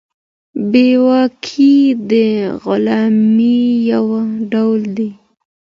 بې واکي د غلامۍ يو ډول دی.